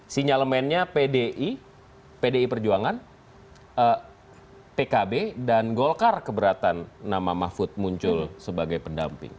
sinyalemennya pdi pdi perjuangan pkb dan golkar keberatan nama mahfud muncul sebagai pendamping